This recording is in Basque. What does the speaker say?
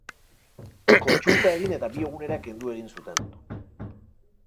Kontsulta egin eta bi egunera kendu egin zuten.